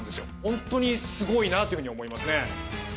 本当にすごいなというふうに思いますね。